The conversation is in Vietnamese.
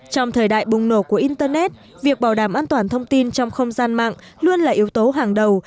trong thời đại bùng nổ của internet việc bảo đảm an toàn thông tin trong không gian mạng luôn là yếu tố hàng đầu